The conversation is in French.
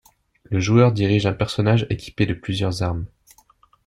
Le joueur dirige un personnage équipé de plusieurs armes.